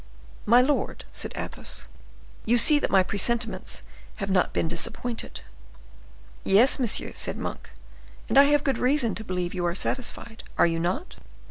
"My lord," said Athos, "you see that my presentiments have not been disappointed." "Yes, monsieur," said Monk, "and I have good reason to believe you are satisfied; are you not?"